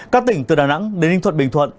các tỉnh từ đà nẵng đến ninh thuận bình thuận